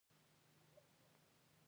د پیرودونکي باور مه ماتوه.